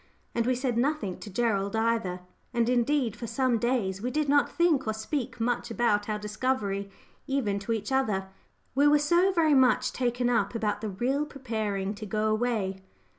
And we said nothing to Gerald either; and indeed for some days we did not think or speak much about our discovery even to each other; we were so very much taken up about the real preparing to go away.